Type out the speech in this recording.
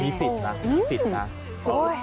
มีสิทธิ์นะมีสิทธิ์นะ